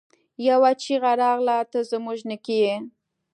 يوه چيغه راغله! ته زموږ نيکه يې!